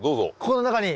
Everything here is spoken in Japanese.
この中に？